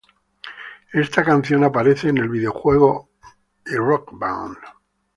Esta canción aparece en el videojuego y Rock Band.